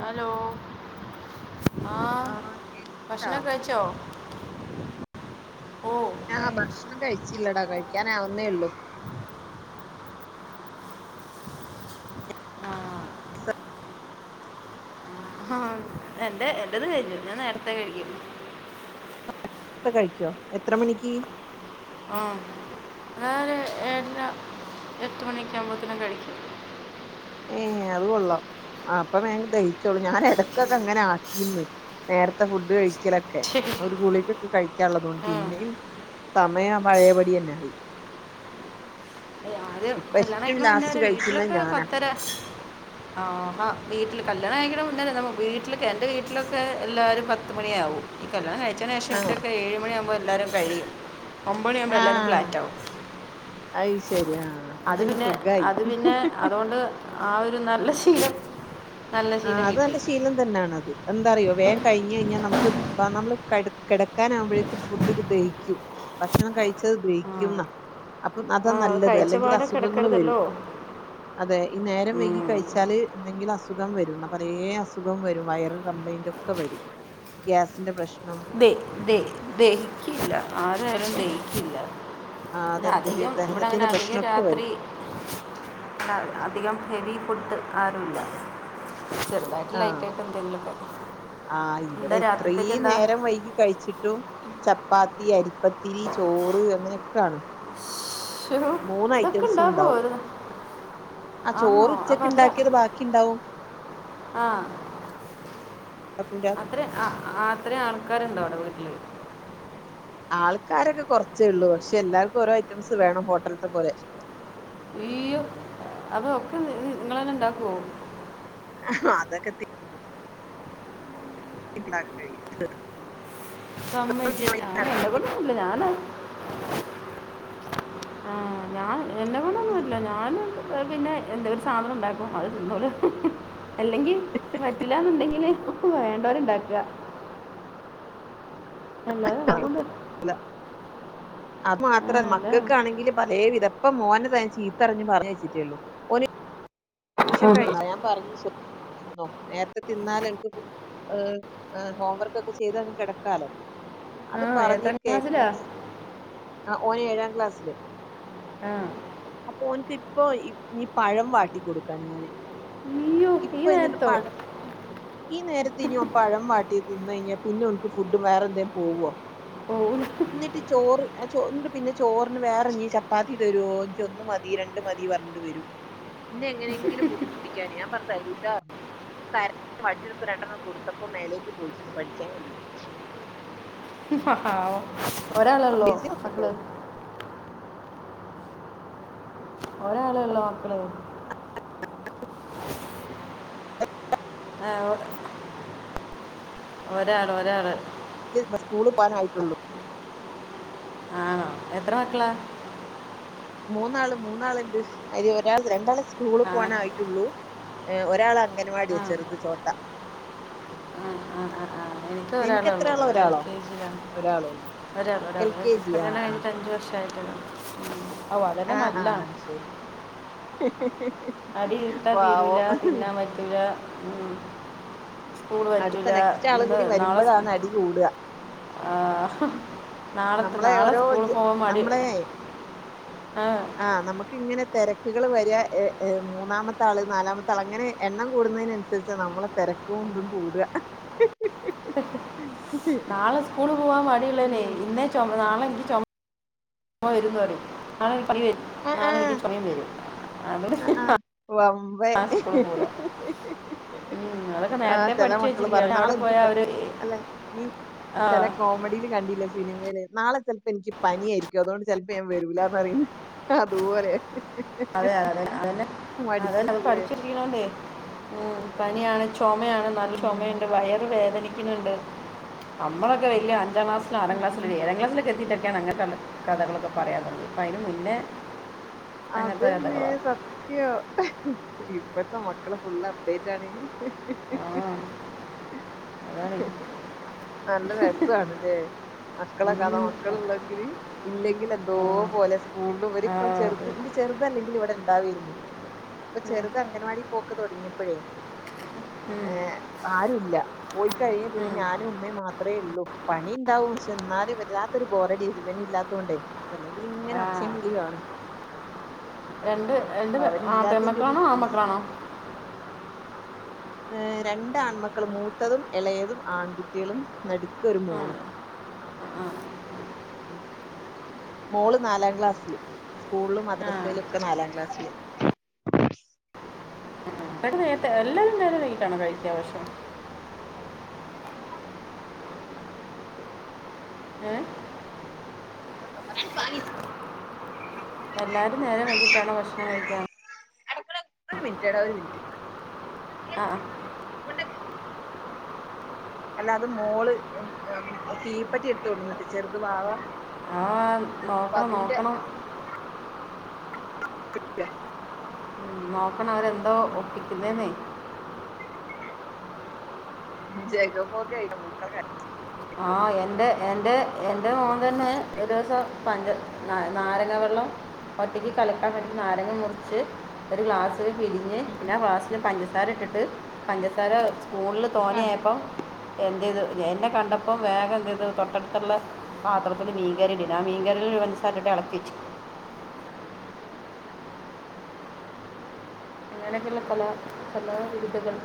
Hello. ആ ആഹ് കേക്ക്ണ്ടോ ബഷാനെക്കേ കഴിച്ചോ ഓ ബക്ഷണം കഴിച്ചില്ലാടാ കഴി ഴിക്കാൻ ആവുന്നേ ഒള്ള ആ ആ എന്റെ എന്റെത് കഴിഞ്ഞു ഞാൻ നേരത്തെ കഴിക്കും രത്തേ കയിക്കോ എത്ര മണിക്ക് ആ വേറെ എന്നാ എട്ട്മണിയെക്കെ ആവുമ്പാത്തേന് കഴിക്കും ഏഹ് അത് കൊള്ളാം അപ്പം ഞങ്ങക് ദെഹിച്ചോളും ഞാനെ ഇടക്കൊക്കെ അങ്ങനെ ആക്കീന്ന് നേരത്തെ ഫുഡ് കഴി ഒരിക്കലൊക്കെ ഒരു ഗുളികക്കെ കയിക്കാനൊള്ളത് കൊണ്ട് ഉം. പിന്നെയും സമയം പഴയപടി തന്നെ ആയി അഹ് ആദ്യം ഇപ്പ കല്യാണം ഏറ്റവും കയിക്കണ ലാസ്റ്റ് മുന്നാവരെ കഴിക്കുന്നത് വീട്ടിലൊക്കെ ഞാനാ പത്തരാ ആഹാ വീട്ടില് കല്യാണം കഴ്ക്കണ മുന്നേ വെരെ നമ്മ വീട്ടിലൊക്കെ എന്റെ വീട്ടിലൊക്കെ എല്ലാരും പത്ത് മണിയാവും ഈ കല്യാണം ക കല്യാണത്തിന് ശേഷം ആഹ് ഇവിടൊക്കെ ഏഴ് മണിയാമ്പോ എല്ലാരും കഴി ഒമ്പത് മണിയാവുമ്പോൾ എല്ലാവരും ആഹ് ഫ്ലാറ്റാവും അയ് ശരി ആഹ് അപ്പൊ അത് പിന്നെ സുഖായി അത് പിന്നെ അതോണ്ട് ആഹ് ഒര് നല്ലാ ശീ ആഹ് അത് നല്ലാ ശീലം തന്നെയാണാത് എന്താറിയോ വേം കഴിഞ്ഞഴ്ഞ്ഞാ നമ്മ ക്ക് ബ നമ്മള് കട് കെടക്കാനാകുമ്പോഴേക്ക് ഫുഡ് ദെഹിക്കും ഭക്ഷണം കഴിച്ചത് ദെഹിക്കും ഇന്നാ അ അ അതാ ആ നല്ലത് അല്ലെങ്കില് കഴിച്ചപാട് അസുഖങ്ങൾ വരും കിടക്കരുതല്ലോ അതെ ഈ നേരം വൈകി ഉം. കഴിച്ചാല് എന്തെങ്കിലും അസു അസുഖം വരുന്ന പലേ അസുഖം വരും വയറൽ കംപ്ലൈന്റ് ഒക്കെ വരും ഗ്യാസിന്റെ പ്രശ് ദെ ദെ ദെ ദഹിക്കില്ല ആരായാലും ദഹി ഇല്ല ആഹ് പിന്നെ അതെന്ത് ഹി- അധികം ഇവടെ അങ്ങനെ ദഹനത്തിന്റെ അധികം പ്രശ്നൊക്കെ രാത്രി വരും. അ അധികം ഹെവി ഫുഡ് ആരുല്ല ചെറുതായിട്ട് ലൈറ്റ് ആഹ് ആയിട്ട് എന്തെങ്കിലുംക്കെ ആഹ് എന്താ ഇവിടെ രാത്രിത്തേക്ക് ഇത്രയും എന്താ നേരം വൈകി കഴിച്ചിട്ടും ചപ്പാത്തി തിയാരി പത്തിരി ചോറ് അങ്ങനെയൊക്കെണ് ശ്ശോ, മൂന്ന് ഇതൊക്കെ ഐറ്റംസു ഉണ്ടാകുമോ ഉണ്ടാവും ഒരു ആ ആണോ ചോറ് അപ്പം ഉച്ചക്ക് അത്ര ഉണ്ടാക്കിയത് ബാക്കി ഇണ്ടാവും ആ ഉണ്ടാക്കും രാ അത്ര അത്രയും ആൾക്കാര് ഉണ്ടോ [unintelligible] ആൾക്കാരൊക്കെ കൊറച്ചേള്ളൂ പക്ഷെ എല്ലാർക്കും ഓരോ ഐറ്റംസ് വേണം ഹോട്ടൽത്തെ പോലെ ഇയ്യോ അതൊക്കെ നി നിങ്ങൾ തന്നെ ഇണ്ടാക്കുവോ ആ അതൊക്കെ തി- കിക്കണാക്കാൻ കഴിയും [unintelligible] സമ്മയിച്ച് കേട്ടോ എന്നെകൊണ്ട് ഒന്നും പറ്റില്ല ഞാന് അത് - ആ ഞാൻ എന്നെ കൊണ്ടൊന്നും പറ്റില്ല ഞാൻ പിന്നെ എന്തേലും ഒരു സാധനം ഉണ്ടാക്കും അത് തിന്നോല അല്ലെങ്കി പറ്റില്ലന്നുണ്ടെങ്കില് വേണ്ടവര് ഇണ്ടാക്കുക അല്ലാതെ നമ്മക്കൊണ്ട് പറ്റത്തില്ല അത് മാത്ര മക്കൾക്കാണെങ്കില് പലേ വിധം ഇപ്പൊ മോനെ ദാ ഇതാ ഞാൻ ചീത്തറിഞ്ഞ് പറഞ്ഞ് അയച്ചിട്ടേള്ളൂ ഓന് ഇപ്പൊ - ഷൻ ക [unintelligible] ഴി ഞാൻ പറഞ്ഞയച്ചു തിന്നോ നേരത്തെ തിന്നാല എനിക്ക് ഹോംവർക്ക്ക്കെ ചെയ്ത് അങ്ങ് കിടക്കാലോ അത് ആ എത്രാം പറഞ്ഞിട്ട് ക്ലാസ്സിലാ കേക്കാതെ ആ ഓന് ഏഴാം ക്ലാസ്സില് ആ അപ്പൊ ഓൻക്ക് ഇപ്പൊ നീ പഴം വാട്ടി കൊടുക്കാൻ ഞാന് അയ്യോ ഈ ഇപ്പൊ എന്നിട്ട് നേരത്തോ പഴം ഈ നേരത്തെ ഇനി പഴം വാട്ടിയ തിന്ന് കഴിഞ്ഞ- പിന്നെ ഓൾക്ക് ഫുഡും വേറെ എന്തേലും പോവോ ഓ എന്നിട്ട് ചോറ്- ഞാൻ ചോറ് ഉണ്ട് പിന്നെ ചോറിന് വേറെനി ചപ്പാത്തി തരുവോ എനി ഒന്ന് മതി രണ്ട് മതി പറഞ്ഞിട്ട് വരും ഇന്നെ എങ്ങനെങ്കിലും ബുദ്ധിമുട്ടിക്കാനെ ഞാൻ പർഞ്ഞു തരൂല്ലാർഞ്ഞ് പ്പ കര വടിയെട്ത്ത് രണ്ടെണ്ണാണ്ട് കൊട്ത്തപ്പ മേലേക്ക് പോയ്ക്ക്ന്ന് പഠിക്കാൻ വേണ്ടിട്ട് പാവം ഒരാളെള്ളോ മക്കള് ഒരാളെള്ളാേ മക്കള് ആ ഒ ഒരാള് ഒരാള് [unintelligible] സ്കൂള് പോനായ്ട്ടൊള്ളൂ ആണോ എത്ര മക്കളാ മൂന്നാള് മൂന്നാള്ണ്ട് അയ്ല് ഒരാൾ രണ്ടാളെ സ്കൂള് ആ പോകാനായ്ട്ട്ള്ളൂ ഏ ഒരാളൻ ആ ഗനവാട്യാ ചെറ്ത് ചോട്ട ആ ആ ആ ആ എൻക്ക് നിനക്ക് എത്ര ഒരാളെള്ളൂ ആളാ ഒരാളോ ഓനെൽകെജീലാ ഒരാള് ഒരാള് എൽ ഒരാള് കെ ജി ആ കല്ല്യാണം കയ്ഞ്ഞ്ട്ട് അഞ്ച് വർഷായ് [unintelligible] ആ ആ ശെരി അടിയിട്ട തീരൂല തിന്നാംപറ്റ്യൂലാ ഉം സ്കൂള് അടുത്ത പറ്റൂലാ നെക്സ്റ്റ് ആളും ഇന്ന് കൂടി നാളെ സ് വരുമ്പോഴാണ് അടി കൂടുക ആ നാളത്ത് നമ്മളെ നാളെ ഓരോ സ്കൂൾ പോകാ മടി ആ നമ്ക്ക് ഇങ്ങനെ തെരക്കുകള് വര എ എ മൂന്നാമത്താള് നാലാമത്തെ ആള് അങ്ങനെ എണ്ണം കൂടുന്നതിനനുസരിച്ച നമ്മളെ തെരക്കും തും കൂട നാളെ സ്കൂള് പോവാൻ മടില്ലന ഇന്നേ ചൊ നാളെ ചൊ മ്മ വരുന്ന് പറിം. നി വരും ആഹ് നാളെ എനിക്ക് ആഹ് ചൊമയും വരും അവിടെ വമ്പേ ഹിഹി.. ഹി... ഹിഹി.. ഹി.. ഉം, അതൊക്കെ ഹീ.. നേരത്തെ ചില പഠിച്ചു മക്കള് വെച്ചിരിക്കുകയാണ് പറന്നാള അവിടെ നാളെ പോയാൽ ഉച്ചക്ക് അവർ അല്ല നീ ആ ചില കോമഡിൽ കണ്ടില്ലേ സിനിമയിൽ നാളെ ചിലപ്പോ എനിക്ക് പനിയായിരിക്കും അതുകൊണ്ട് ചിലപ്പോ ഞാൻ വരൂലാന്ന്റുന്ന അതുപോലെ അതെ അതെ അതെ അതന്നെ അതന്നെ അത് മടിച്ചിട്ടില്ലേ പഠിച്ചിരിക്കണണ്ടേ? ഉം പനിയാണ്. ചുമയാണ് നല്ല ഉം ചുമയുണ്ട് വയറുവേദനി ങ്ങനുണ്ട് നമ്മളൊക്കെ വല്യ അഞ്ചാം ക്ലാസ്സിൽ ആറാം ഉം ക്ലാസ്സിൽ ഉം ഒരു ഏഴാംക്ലാസ്സിലൊക്കെ എത്തീട്ടു അങ്ങനെ കഥകളൊക്കെ പറയാറുണ്ട്. അപ്പൾ അതിന് മുന്നേ അങ്ങനത്തെ അതന്നെ കഥകളാണ് സത്യ ഇപ്പഴത്തെ മക്കളെ ഫുള് അപ്ഡേറ്റ് ആണ്. അഹ്.. ആ അതാണ് ഹ ഹ നല്ല രസണല്ലേ മക്കളെകാണാൻ. ഉം, കഥ മക്കള് ഉള്ളെങ്കില് ഇല്ലെങ്കിൽ എന്തോ ആ, പോലെ സ്കൂളിൽ ആ, ഇവരിപ്പം ചെറു അതെ. ചെറുതല്ലെങ്കിൽ ഇവിടെ ഉണ്ടാവന്ന്. ഇപ്പൊ ഉം, ചെറുത് അംഗൻവാടി പോക്ക് തുടങ്ങിയ ഇപ്പഴേ ഏ ഉം, ആര്? ഇല്ല. പോയി കഴിഞ്ഞ് പിന്നെ ഉം, ഞാനും ഉമ്മയും മാത്രേ ഉള്ളൂ. പണി ഉണ്ടാവും പക്ഷെ എന്നാലും വരാാത്തൊരു ബോറ രജ്മ ഇല്ലാത്ത കൊണ്ടേ അല്ലെങ്കിൽ ഇങ്ങനെ ഒച്ചയും വിളിയും കാണും. എണ്ട് എണ്ട് ആ അവനില്ലാത്തതിന്റെ ഒരു പെമക്കളാണോ? മിസ് ആമക്കളാണോ? ഏ രണ്ട ആൺമക്കളു മൂത്തതും ഇളയതും ആൺകുട്ടികളും ന ഇനിക് ഒരു ആ മോളും. ഉ മോള് നാലാം ക്ലാസ്സില് സ്കൂളും ആ മദ്രസയിലും ഒക്കെ നാലാംക്ലാസ് [unintelligible] അപ്പടെ നേത്തെ എല്ലാരും നേരെ വീട്ടാണ് കഴിക്ക പക്ഷെ ആഏ [inaudible] ങ്ങ എല്ലാരും നേരം വൈകിട്ടാണോ ഭക്ഷണം കഴിക്കാ? അടുത്തത് ഒരു മിനിറ്റ് ഇട ഒരു മിനിറ്റ് ആഹ അല്ല അത് മോള് തീപെട്ടി എടുത്തു കൊടുത്തു ചെറുത് വവാ ആ ആ നോക്കണം നോക്കണം. ക ഉം, നോക്കണം അവരെന്തോ ഒപ്പിക്കുന്നെന്നേ ജഗ പൊഗ പോക്കൊയിട്ട മൂക്കളെ ആഹ എന്റെ എന്റെ എന്റെ മോൻ തന്നെ ഒരു ദിവസം പഞ്ചസാര നാരങ്ങ വെള്ളം ഒറ്റക്ക് കളിക്കാൻ വേണ്ടി നാരങ്ങ മുറിച്ച് ഒരു ഗ്ലാസ് അ പിഴ്ഞ്ഞ് പിന്നെ ഗ്രാസ്റ്റിൽ പഞ്ചസാര ഇട്ടിട്ട് പഞ്ചസാര ഫോണില് തോന്നിയായപ്പം എൻ്റെ ഇത് ഞ എന്നെ കണ്ടപ്പോ ഇപ്പം വേഗം എന്തത് തൊട്ടടുത്തുള്ള പാത്രത്തിൽ മീൻകറിയിടില്ല മീൻകൽ ഒരു പഞ്ചസാരയിട്ട് ഇളക്കി വെച്ച് ഇങ്ങനക്കുള്ള പല സമ വിരുപ്പുകൾ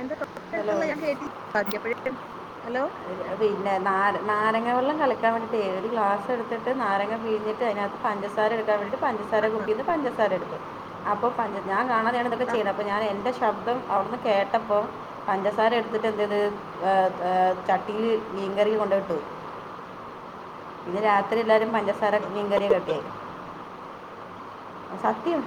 എന്താ ഉണ്ടല്ലോ ള്ള ഞാൻ ഹലോ പിന്നെ നാര നാരങ്ങ വെള്ളം കലക്കാൻ വേണ്ടിയിട്ട് ഒരു ഗ്ലാസ്‌ എടുത്തിട് നാരങ്ങ പിഴ്ഞ്ഞിട്ട് അതിനകത്ത് പഞ്ചാസാര അവരുടെ പഞ്ചസാര കുപ്പിന് പഞ്ചസാര എടുത്തു അപ്പൊ പഞ്ചസാര കാണാതെയാണാ ഇതൊക്കെ ചെയ്യുന്നെ അപ്പൊ ഞാൻ എന്റെ ചെ ശബ്ദം അന്ന് കേട്ടപ്പോ പഞ്ചസാര എടുത്തിട്ട് എന്തത് ഏ ഏ ചട്ടിയില് മീൻകറിൽ കൊണ്ട ഇട്ടു ഇന്ന് രാത്രി എല്ലാരും ഏയ്‌ സാറെ മീൻകറി കാക്കേം സത്യം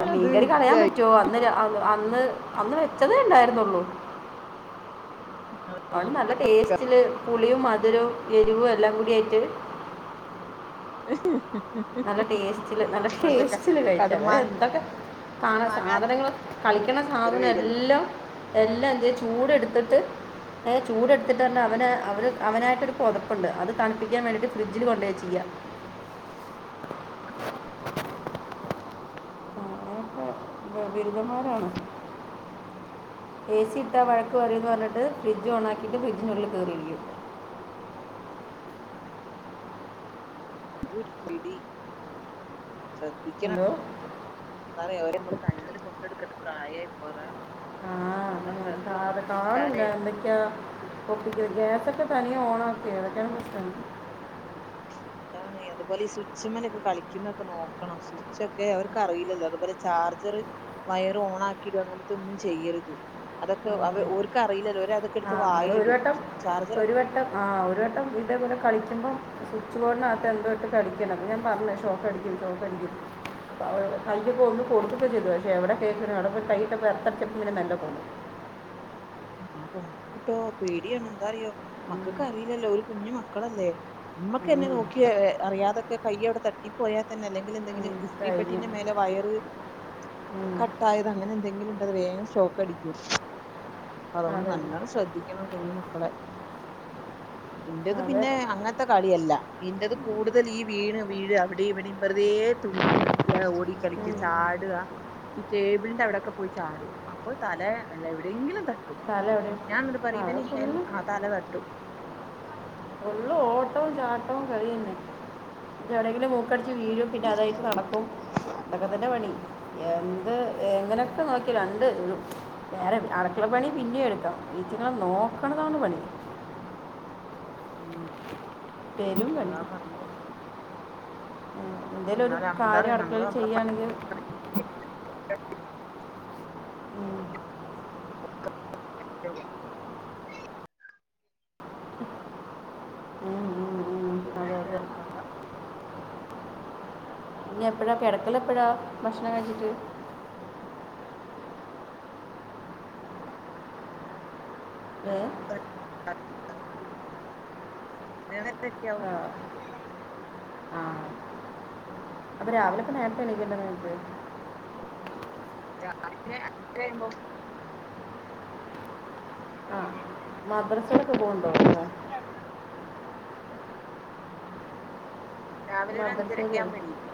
ആ മീൻകറി കളയാൻ പറ്റുവോ അന്നേരാ അ അന്ന് അന്ന് വെച്ചതേ ഇണ്ടായിരുന്നുള്ളൂ അത് നല്ല ടേസ്റ്റില് പുളിയും മധുരവും എരിവും എല്ലാ എല്ലാം കുടി ആയിട്ട് ഉഹു ഉഹ് നല്ല ടേസ്റ്റില് നല്ല ടേസ്റ്റില് കഴിച്ച വേറെ കടുമാങ്ങ എന്തൊക്കെ കാണ മാങ്ങാ സാധനങ്ങൾ കളിക്കണ അതൊരു സാധനം പേടിയല്ലേ എല്ലാം എല്ലാം ദേ ചൂടെടുത്തിട്ട് ഏ ചൂടെടുത്തിട്ട് പറഞ്ഞ് അവന് അവ അവനായിട്ടൊരു പുതപ്പുണ്ട് അത് തണുപ്പിക്കാൻ വേണ്ടിട്ട് ഫ്രിഡ്ജിൽ കൊണ്ടുപോയി വെച്ചിരിക്ക ആ അ ബിരുദന്മാരാണ് എ സി ഇട്ടാ വഴക്ക് പറയുന്ന് പറഞ്ഞിട്ട് ഫ്രിഡ്ജ് ഓണാക്കിട്ട് ഫ്രിഡ്ജിനുള്ളിൽ കറിയിരിക്കും എന്തുവാടി കൃതി ശ്രദ്ധിക്കണ എന്തോ എന്ന്റയോ നമ്മള് കണ്ണിൽ കൊണ്ടെടക്കേണ്ട പ്രായാ ഇപ്പോ അതാണ് ആഹ് നമ്മളെ ശ്രദ്ധ അങ്ങനെ അതെ ഒന്ന് കാണൂല വിട്ടാലേ എന്തൊക്കെയാ ഒപ്പിക്ക്ണ് ഗ്യാസക്കെ തനിയെ ഓണക്കെ ഏതൊക്കെ ദിവസമാ അതാണ് അതുപോലെ ഈ സ്വിച്ച്മ്മലൊക്കെ കളിക്കുന്നൊക്കെ നോക്കണം സ്വിച്ച് ഒക്കെ അവർക്ക് അറിയില്ലല്ലോ അതുപോലെ ചാർജർ വയർ ഓൺ ആക്കിടുക അങ്ങനത്തെ ഒന്നും ചെയ്യരുത് അതൊക്കെ ഓർക്ക് അറിയില്ലല്ലോ ഓര് അതൊക്കെ എടുത്ത് ആഹ അത് ഒരു വായിലിടും വട്ടം ചാർജർ ഒരു വട്ടം ആഹ് ഒരു വട്ടം ഇതേപോലെ കളിക്കുമ്പോ സ്വിച്ച് ബോർഡിനത്തെ എന്തോട്ട് കടിക്കണ അപ്പോ ഞാൻ പറഞ്ഞ ഷോക്കടിക്കും ഷോക്ക് അടിക്കും അപ്പോവൾ കൈയ്യപ്പോ ഒന്ന് കൊടുത്ത്തിട്ട് ചെയ്തു പക്ഷെ എവിടെ കേക്കണ് എവിടെ പോയി കൈഇട്ടപ്പോ ഏർത്തടിച്ചപ്പോ പിന്നെ നല്ല പോന്നു ആഹ് പ്പൊ നോക്ക്‌ട്ടോ പേടിയാണ് എന്താറിയോ ഉം. മക്കക്ക് അറിയില്ലല്ലോ ഒരു കുഞ്ഞു മക് മക്കളല്ലേ അമ്മക്ക് എന്നെ ഉം. നോക്കിയ യ അറിയാതൊക്കെ കൈയവ്ടെ തട്ടി പോയാ തന്നെഅല്ലെങ്കിൽ എന്തെങ്കിലും ഉം. കഴിഞ്ഞു ഇസ്തിരിപ്പെട്ടീന്റെ മേലെ വയറ് ഉം. കട്ടായത് അങ്ങനെ എന്തെങ്കിലും ഉണ്ടതറിയേ ഷോക്കടിക്കും അപ്പ അതുകൊണ്ട് അതെ നല്ലോണം ശ്രദ്ധിക്കണം കുഞ്ഞു മക്കളെ ഇന്റേത് അതെ പിന്നെ അങ്ങനത്തെ കളിയല്ല ഇന്റേത് കൂടുതൽ ഈ വീണ് വീഴുക അവിടേം ഇവിടേം വെറുതെ തു ന്നെ ഓടി കളിക്ക ഉം. ചാടുക ഈ ടേബിളിന്റെ അവിടെക്കെ പോയി ചാടും അപ്പൊ തല അല്ല എവിടെയെങ്കിലും തട്ട ട്ടും തല എവിടെ ഞാൻന്നിട്ട് ആ പറയും അവിടെ ഇവന് ഫുള്ള് ആ തല തട്ടും ഫുള്ള് ഓട്ടോ ചാടട്ടോ കളിന്നേ എന്നിട്ട് എ വിടങ്കിലും മൂക്കടി വീഴും പിന്നെ അതായിട്ട് നടക്കും ഇതൊക്കെ തന്നെ പണി എന്താ അത് എങ്ങനെയൊക്കെ നോക്കി രണ്ട് വേറെ അടക്കളപണി പിന്നെ എടുക്കാം ഈറ്റങളെനോക്കണതന്ന് പണി ഉം പെരും പണി അതാ പറണത് എന്തേലും ഒരു എന്താ കാര്യം പറയാ നമ്മള് അടുക്കളൽ നമ്മളെ ചെയ്യയാണെങ്കിൽ ഉം [unintelligible] ഉം ഉം ഉം. അതെ അതെ പിന്നക്കാണ് കഥ ഇനി എപ്പഴാ കിടക്കല് എപ്പഴാ ഭക്ഷണം കഴിച്ചിട്ട് ഏ [unintelligible] ആ ആ അപ്പ രാവിലെ പ്പ നേര [unintelligible] [unintelligible] ആ മദ്രസയിലൊക്കെ പോകുന്നുണ്ടോ ഓ രാവിലെ ഒരു അഞ്ചരയൊക്കെ മദ്രസയിലെ ആവുമ്പോ എണീക്കും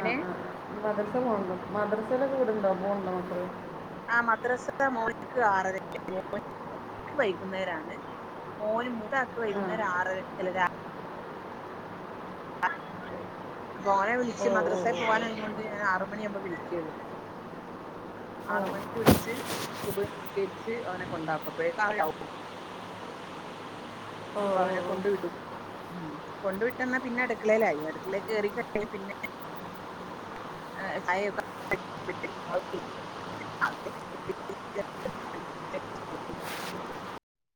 ആ ആ മദ്രസ പോണ്ട് മദ്രസ ചില വീടുണ്ടോ പോണ്ടോ മക്കള് ആ മദ്രസ മോൻക്ക് ആറരക്ക് [unintelligible] വൈകുന്നേരാണ് മോന് [unintelligible] ആ വൈകുന്ന ആരക്ക് അല്ല രാ മോനെ വിളിച്ച് ഓ മദ്രാസ ഓ പോവാനായ കൊണ്ട് ഞാൻ ആറ മണി ആവുമ്പോ വിളിക്കുള്ളു ഓ ഓ ആറ് മണിക്ക് ഓ വിളിച്ച് സുബഹ് നിസ്കരിച്ച് അവനെ കൊണ്ടാകും അപ്പോഴേക്കാവ ഓ അപ്പൊ അവനെ ഓ ഓ കൊണ്ടു വിടും ഉം കൊണ്ടു വിട്ട് വന്നാൽ പിന്നെ അടുക്കളയിലായി അടുക്കളേ കേറിക്കഴി ഞ്ഞാൽ പിന്നെ ചാ യൊക്കെ [unintelligible]